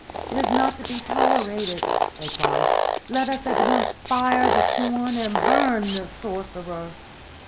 "It is not to be tolerated!" they cried. "Let us at once fire the corn and burn this sorcerer!"